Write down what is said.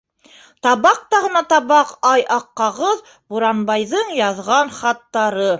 Табак та ғына табаҡ, ай, ак кағыҙ - Буранбайҙың яҙған хаттары...